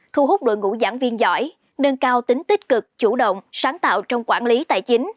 thu hút đội ngũ giảng viên giỏi nâng cao tính tích cực chủ động sáng tạo trong quản lý tài chính